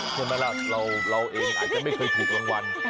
ใช่ไหมล่ะเราเองอาจจะไม่เคยถูกรางวัล